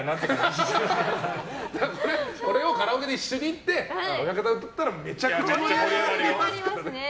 それをカラオケで一緒に行って親方歌ったら、めちゃくちゃ盛り上がりますからね。